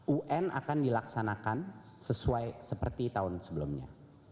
un akan dilaksanakan sesuai seperti tahun sebelumnya